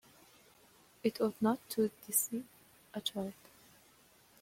It ought not to deceive a child.